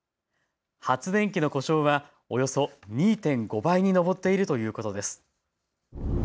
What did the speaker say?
発電機の故障はおよそ２．５倍に上っているということです。